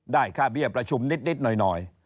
ได้ค่าเบี้ยประชุมนิดหน่อย